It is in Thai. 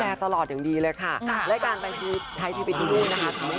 เหนื่อยที่นี่นะ